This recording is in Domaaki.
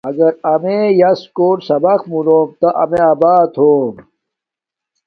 اگر امیے یاس کوت سبق مونوم تہ امیے آبات ہوم